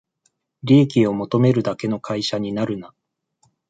利益を求めるだけの会社になるな